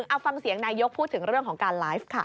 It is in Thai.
เอาฟังเสียงนายกพูดถึงเรื่องของการไลฟ์ค่ะ